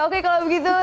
oke kalau begitu